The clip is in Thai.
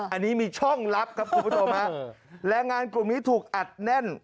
อันนี้มีช่องลับครับคุณผู้ชมฮะแรงงานกลุ่มนี้ถูกอัดแน่น